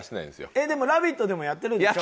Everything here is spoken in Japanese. えっでも『ラヴィット！』でもやってるでしょ？